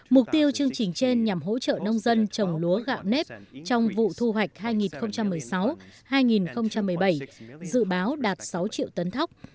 mục tiêu chương trình trên nhằm hỗ trợ nông dân trồng lúa gạo nếp trong vụ thu hoạch hai nghìn một mươi sáu hai nghìn một mươi bảy dự báo đạt sáu triệu tấn thóc